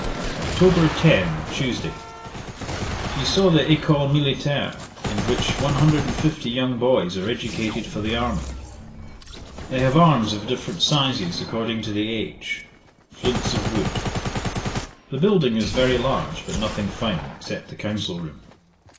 'Oct. 10. Tuesday. We saw the Ecole Militaire, in which one hundred and fifty young boys are educated for the army. They have arms of different sizes, according to the age; flints of wood. The building is very large, but nothing fine, except the council room.